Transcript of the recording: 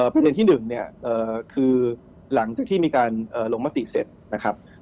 ประเด็นที่๑เนี่ยคือหลังจากที่มีการลงมติเสร็จนะครับ